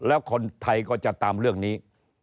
แล้วคนไทยก็จะตามเรื่องนี้